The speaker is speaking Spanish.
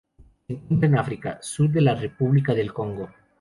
Se encuentran en África: sur de la República del Congo.